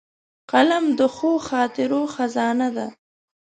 قلم د ښو خاطرو خزانه ده